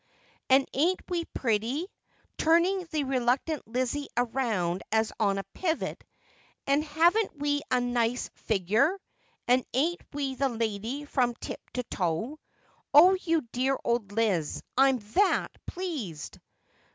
And ain't we pretty ?' turning the reluctant Lizzie round as on a pivot, 'and haven't we a nice figure 1 And ain't we the lady from tip to toe ? Oh, you dear old Liz, I'm that pleased